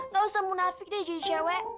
gak usah munafik deh jadi cewek